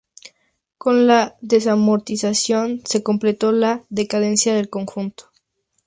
Con la desamortización se completó la decadencia del conjunto.